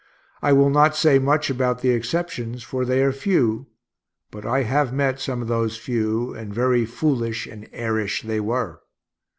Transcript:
I will not say much about the exceptions, for they are few (but I have met some of those few, and very foolish and airish they were).